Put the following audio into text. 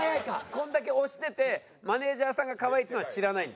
これだけ推しててマネージャーさんが可愛いっていうのは知らないんだ？